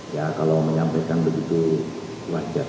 ya kalau menyampaikan begitu wajar